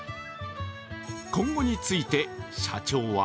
今後について、社長は